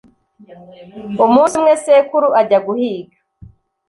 Umunsi umwe sekuru ajya guhiga,